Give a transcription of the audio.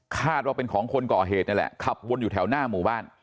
คาดว่าเป็นของคนก่อเหตุนี่แหละขับวนอยู่แถวหน้าหมู่บ้าน